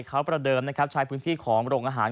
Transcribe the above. เขาประเดิมนะครับใช้พื้นที่ของโรงอาหาร